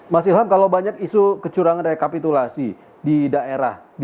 mas ilham kalau banyak isu kecurangan rekapitulasi di daerah